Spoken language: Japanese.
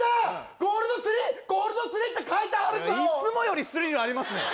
ゴールドスリーゴールドスリーって書いてあるぞいつもよりスリルありますね